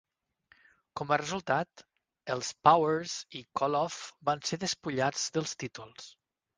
Com a resultat, els Powers i Koloff van ser despullats dels títols.